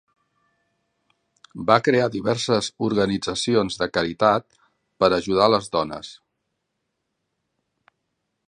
Va crear diverses organitzacions de caritat per ajudar les dones.